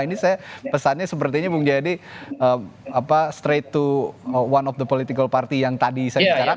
ini saya pesannya sepertinya bung jayadi straight to one of the political party yang tadi saya bicarakan